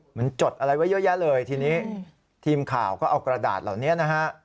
จดอะไรไว้เยอะแยะเลยทีนี้ทีมข่าวก็เอากระดาษเหล่านี้นะฮะ